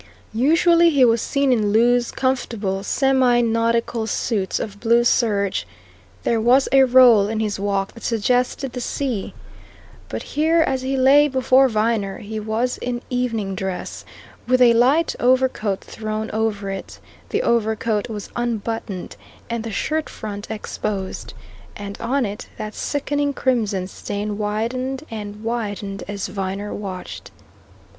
Usually he was seen in loose, comfortable, semi nautical suits of blue serge; there was a roll in his walk that suggested the sea. But here, as he lay before Viner, he was in evening dress, with a light overcoat thrown over it; the overcoat was unbuttoned and the shirt front exposed. And on it that sickening crimson stain widened and widened as Viner watched.